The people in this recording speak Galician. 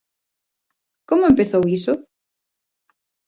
Como empezou iso?